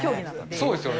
そうですよね。